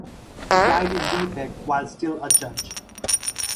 He died in Winnipeg while still a judge.